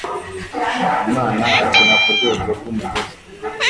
Umwana akina kurwego rwumugozi